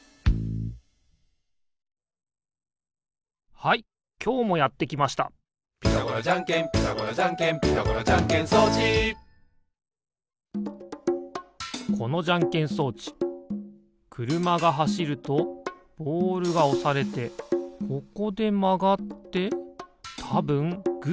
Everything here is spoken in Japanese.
はいきょうもやってきました「ピタゴラじゃんけんピタゴラじゃんけん」「ピタゴラじゃんけん装置」このじゃんけん装置くるまがはしるとボールがおされてここでまがってたぶんグーがでる。